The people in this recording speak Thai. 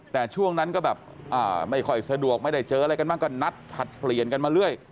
แต่ช่วงนั้นก็แบบไม่ค่อยสะดวกไม่ได้เจออะไรกันบ้างก็นัดผลัดเปลี่ยนกันมาเรื่อย